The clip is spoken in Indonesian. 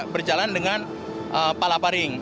berjalan dengan palaparing